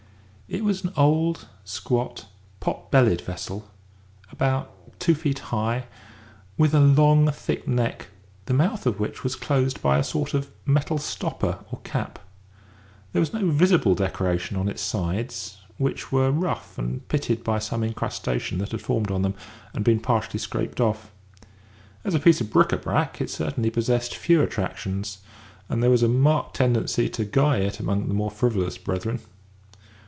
It was an old, squat, pot bellied vessel, about two feet high, with a long thick neck, the mouth of which was closed by a sort of metal stopper or cap; there was no visible decoration on its sides, which were rough and pitted by some incrustation that had formed on them, and been partially scraped off. As a piece of bric à brac it certainly possessed few attractions, and there was a marked tendency to "guy" it among the more frivolous brethren.